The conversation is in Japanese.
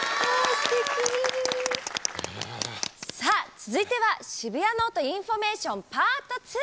続いては「シブヤノオト・インフォメーション」パート２！